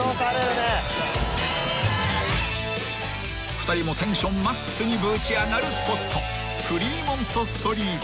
［２人もテンションマックスにぶち上がるスポット］